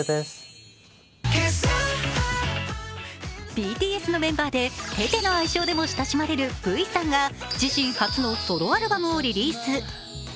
ＢＴＳのメンバーでテテの愛称でも親しまれるＶさんが自身初のソロアルバムをリリース。